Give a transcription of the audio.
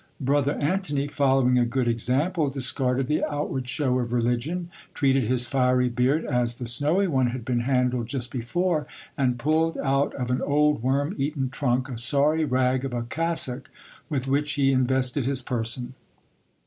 Brother Antony, following a good example, discarded the outward show of religion, treated his fiery beard as the snowy one had been handled just before, and pulled out of an old worm eaten trunk a sorry rag of a cassock, with which he invested his person.